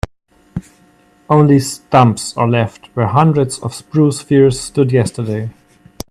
Only stumps are left where hundreds of spruce firs stood yesterday.